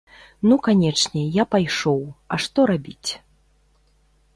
Ну канечне, я пайшоў, а што рабіць.